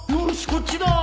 こっちだ！